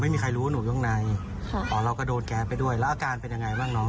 ไม่มีใครรู้ว่าหนูอยู่ข้างในอ๋อเราก็โดนแก๊สไปด้วยแล้วอาการเป็นยังไงบ้างน้อง